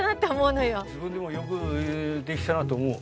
自分でもよくできたなと思う。